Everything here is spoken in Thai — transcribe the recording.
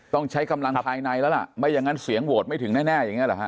ต้องใช้กำลังภายในแล้วล่ะไม่อย่างนั้นเสียงโหวตไม่ถึงแน่อย่างนี้หรอฮ